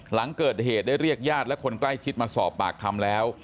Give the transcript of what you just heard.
หลังเกิดเหตุได้เรียกญาติและคนใกล้ชิดมาสอบปากคำแล้ว